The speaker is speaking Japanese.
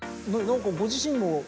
何かご自身も。